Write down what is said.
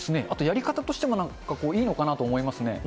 あと、やり方としてもいいのかなと思いますね。